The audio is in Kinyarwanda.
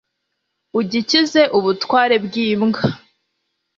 ugikize ubutware bw imbwa